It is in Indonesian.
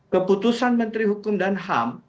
keputusan menteri hukum dan ham